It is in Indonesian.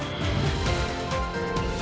tidak ada apa apa namanya